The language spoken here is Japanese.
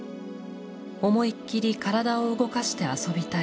思いっきり体を動かして遊びたい。